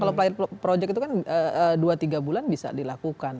kalau project itu kan dua tiga bulan bisa dilakukan